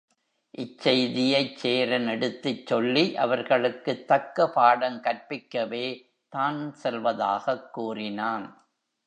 இச்செய்தியைச் சேரன் எடுத்துச் சொல்லி அவர்களுக்குத் தக்க பாடம் கற்பிக்கவே தான் செல்வதாகக் கூறினான்.